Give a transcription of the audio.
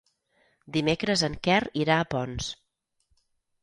Dimecres en Quer irà a Ponts.